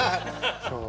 そう。